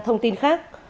thông tin khác